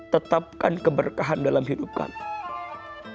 tetapkan keberkahan dalam hidup kami